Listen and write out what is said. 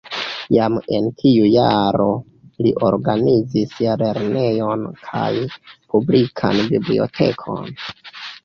Jam en tiu jaro li organizis lernejon kaj publikan bibliotekon.